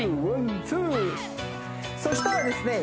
そしたらですね